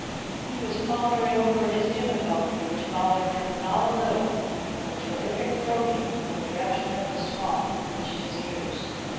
He was pondering over his difficulty, which bothered him not a little, when a terrific croaking from the direction of the swamp reached his ears.